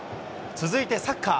続いてサッカー。